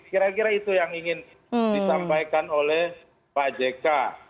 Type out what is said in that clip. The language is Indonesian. kira kira itu yang ingin disampaikan oleh pak jk